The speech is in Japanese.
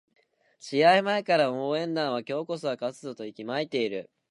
試合前から応援団は今日こそは勝つぞと息巻いている